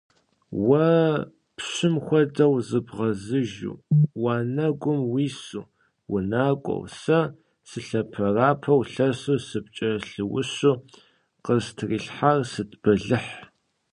Уэ пщым хуэдэу зыбгъэзыжу уанэгум уису унакӀуэу, сэ сылъэпэрапэу лъэсу сыпкӀэлъыущу, къыстрилъхьар сыт бэлыхь?